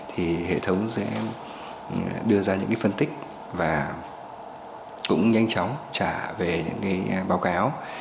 thì hệ thống sẽ đưa ra những phân tích và cũng nhanh chóng trả về những báo cáo